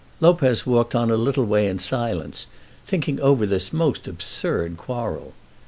Lopez walked on a little way in silence, thinking over this most absurd quarrel.